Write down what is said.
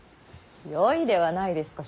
よいではないですか。